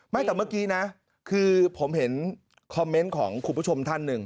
แต่เมื่อกี้นะคือผมเห็นคอมเมนต์ของคุณผู้ชมท่านหนึ่ง